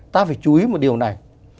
ta phải chú ý một điều này